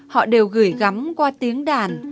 họ đều gửi gắm qua tiếng đàn